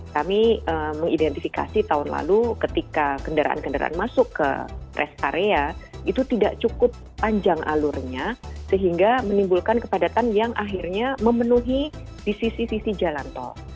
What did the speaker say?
kami mengidentifikasi tahun lalu ketika kendaraan kendaraan masuk ke rest area itu tidak cukup panjang alurnya sehingga menimbulkan kepadatan yang akhirnya memenuhi di sisi sisi jalan tol